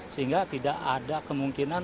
sehingga tidak ada kemungkinan